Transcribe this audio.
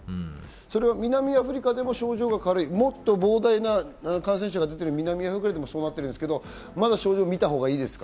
南アフリカでも症状が軽い、もっと膨大な感染が出てる南アフリカでもそうなんですけど、まだ症状を見たほうがいいですか？